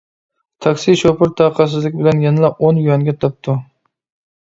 تاكسى شوپۇرى تاقەتسىزلىك بىلەن: يەنىلا ئون يۈەنگە، -دەپتۇ.